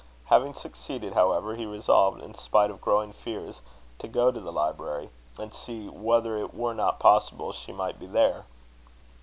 Having succeeded, however, he resolved, in spite of growing fears, to go to the library, and see whether it were not possible she might be there.